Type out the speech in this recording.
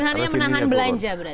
sederhana menahan belanja berarti